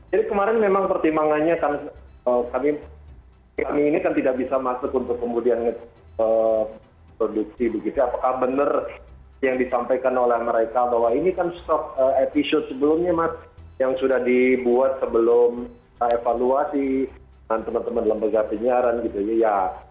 jadi kemarin memang pertimbangannya kami ini kan tidak bisa masuk untuk kemudian produksi begitu apakah benar yang disampaikan oleh mereka bahwa ini kan stock episode sebelumnya mas yang sudah dibuat sebelum kita evaluasi dengan teman teman lembaga penyiaran gitu ya